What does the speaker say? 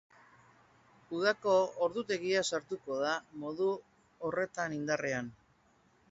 Udako ordutegia sartuko da modu horretan indarrean.